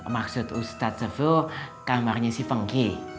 maksud ustaz sevil kamarnya si fengki